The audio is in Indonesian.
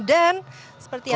dan seperti anda bisa